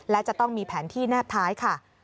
และจะต้องมีแผนที่แนบท้ายค่ะ